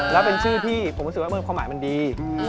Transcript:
แล้วเป็นชื่อที่ผมรู้สึกว่าความหมายมันดี